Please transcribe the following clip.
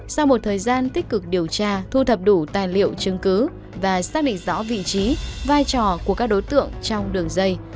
sau một thời gian tích cực điều tra thu thập đủ tài liệu chứng cứ và xác định rõ vị trí vai trò của các đối tượng trong đường dây